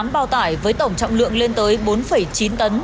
chín mươi tám bao tải với tổng trọng lượng lên tới bốn chín tấn